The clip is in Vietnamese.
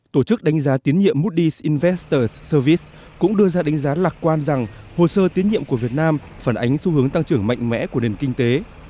tổ chức đánh giá tiến nhiệm moody s invester service cũng đưa ra đánh giá lạc quan rằng hồ sơ tiến nhiệm của việt nam phản ánh xu hướng tăng trưởng mạnh mẽ của nền kinh tế